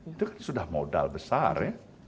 itu kan sudah modal besar ya